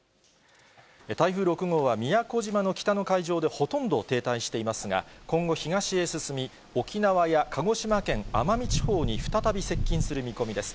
台風６号は宮古島の北の海上でほとんど停滞していますが、今後東へ進み、沖縄や鹿児島県奄美地方に再び接近する見込みです。